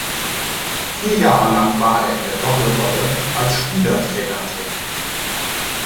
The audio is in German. Vier Jahre lang war er in der Doppelrolle als Spielertrainer tätig.